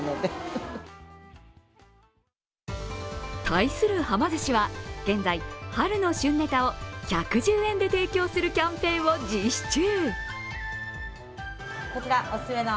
対するはま寿司は、現在、春の旬ネタを１１０円で提供するキャンペーンを実施中。